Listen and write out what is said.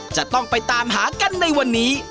จะต้องไปตามหากันในวันนี้